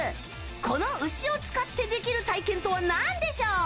この牛を使ってできる体験とは何でしょう？